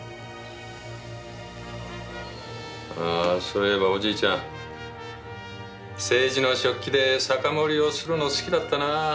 そういえばおじいちゃん青磁の食器で酒盛りをするの好きだったな。